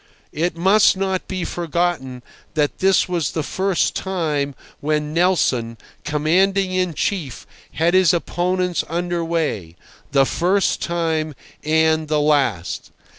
It must not be forgotten that this was the first time when Nelson, commanding in chief, had his opponents under way—the first time and the last.